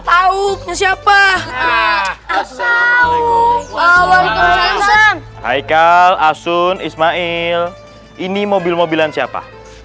tahu siapa ah assalamualaikum waalaikumsalam haikal asun ismail ini mobil mobilan siapa